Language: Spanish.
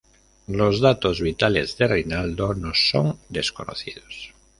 Los datos vitales de Rinaldo nos son desconocidos.